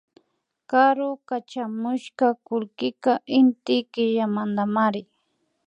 Karu kachamushka kullkika Inti killamantamari